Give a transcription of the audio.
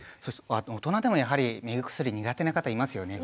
大人でもやはり目薬苦手な方いますよね。